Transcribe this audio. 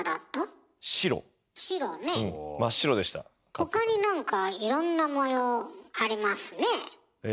他に何かいろんな模様ありますねえ？え？